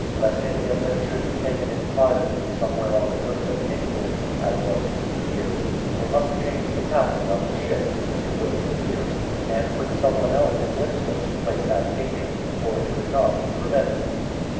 Lest any of them should be taken in privately somewhere on the coast of England, as was to be feared, they must change the captain of the ship (Mr. William Pierce), and put someone else in Winslow's place as agent, or it could not be prevented.